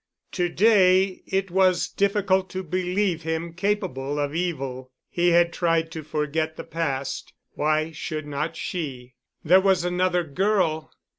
To day it was difficult to believe him capable of evil. He had tried to forget the past. Why should not she? There was another girl.